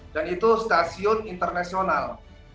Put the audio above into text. dan itu stasiun internasional